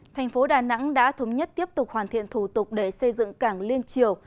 thành phố đà nẵng đã thống nhất tiếp tục hoàn thiện thủ tục để xây dựng cảng liên triều